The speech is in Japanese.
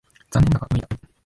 残念だが無理だ。